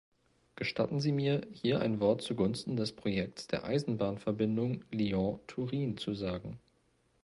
Gestatten Sie mir, hier ein Wort zugunsten des Projekts der Eisenbahnverbindung Lyon-Turin zu sagen.